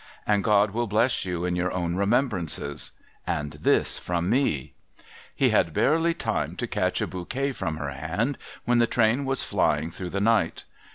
And God will bless you in your own remembrances. And this from me !' He had barely time to catch a bouquet from her hand, when the train was flying through the night.